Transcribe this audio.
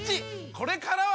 これからは！